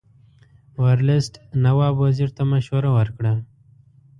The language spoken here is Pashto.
ورلسټ نواب وزیر ته مشوره ورکړه.